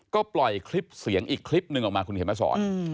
ก็ปล่อยคลิปเสียงอีกคลิปหนึ่งออกมาคุณเขียนมาสอน